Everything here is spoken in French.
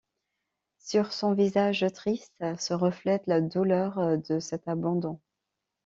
Sur son visage triste se reflète la douleur de cet abandon.